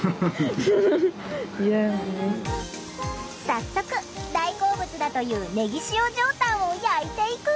早速大好物だというねぎ塩上タンを焼いていく！